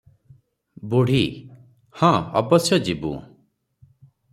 ବୁଢୀ - ହଁ ଅବଶ୍ୟ ଯିବୁଁ ।